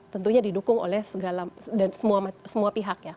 tentunya didukung oleh semua pihak ya